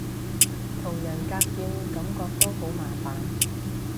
同人格劍感覺都好麻煩